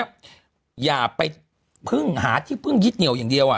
อย่าไปพึ่งหาที่พึ่งยึดเหนียวอย่างเดียว